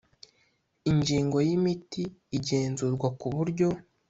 ingingo ya imiti igenzurwa ku buryo